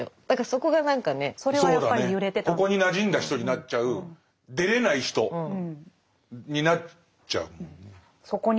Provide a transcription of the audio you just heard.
ここになじんだ人になっちゃう出れない人になっちゃうもんね。